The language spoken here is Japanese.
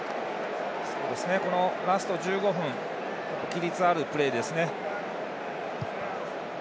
ラスト１５分規律あるプレーですね。